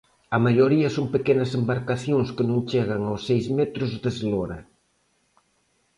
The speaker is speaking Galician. A maioría son pequenas embarcacións que non chegan aos seis metros de eslora.